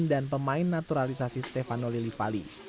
dan pemain naturalisasi stefano lilivali